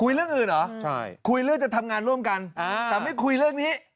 เรื่องอื่นเหรอใช่คุยเรื่องจะทำงานร่วมกันแต่ไม่คุยเรื่องนี้